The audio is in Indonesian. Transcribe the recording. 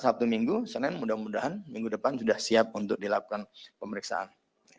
sabtu minggu senin mudah mudahan minggu depan sudah siap untuk dilakukan pemeriksaan